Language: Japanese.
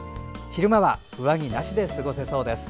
昼間は上着なしで過ごせそうです。